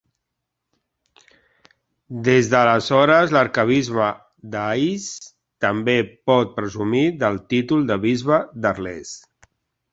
Des d'aleshores, l'arquebisbe d'Ais també pot presumir del títol de bisbe d'Arles.